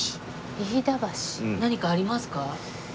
何かありますか？